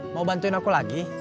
mau bantuin aku lagi